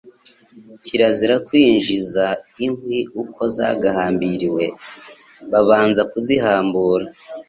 Kirazira kwinjiza inkwi uko zagahambiriwe, babanza kuzihambura,